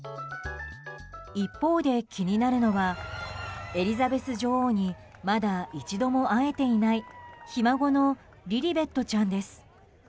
一方で気になるのはエリザベス女王にまだ一度も会えていないひ孫のリリベットちゃんです。